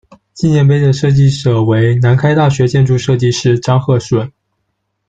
纪念碑的设计者为南开大学建筑设计室张荷顺。